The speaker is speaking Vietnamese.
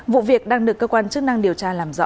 vụ việc đang được cơ quan chức năng điều tra làm rõ